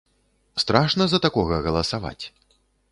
Страшна за такога галасаваць.